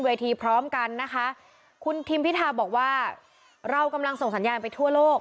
พร้อมกันนะคะคุณทิมพิธาบอกว่าเรากำลังส่งสัญญาณไปทั่วโลก